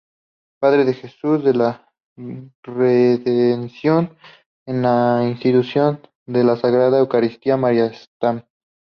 Padre Jesús de la Redención en la Institución de la Sagrada Eucaristía, María Stma.